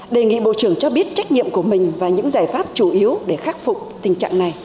đề nghị bộ trưởng cho biết trách nhiệm của mình và những giải pháp chủ yếu để khắc phục tình trạng này